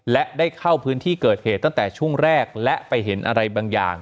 และได้เข้าพื้นที่เกิดเหตุตั้งแต่ช่วงแรกและไปเห็นอะไรบางอย่าง